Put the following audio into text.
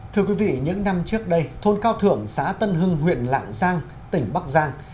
thưa quý vị những năm trước đây thôn cao thượng xã tân hưng huyện lạng giang tỉnh bắc giang